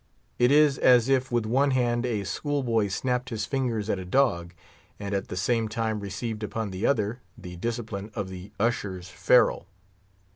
It is as if with one hand a school boy snapped his fingers at a dog, and at the same time received upon the other the discipline of the usher's ferule.